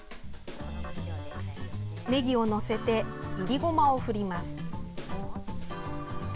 ねぎを載せていりごまを振ります。